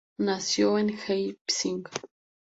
Nació en Leipzig.